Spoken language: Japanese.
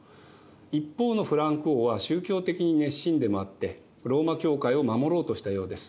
一方のフランク王は宗教的に熱心でもあってローマ教会を守ろうとしたようです。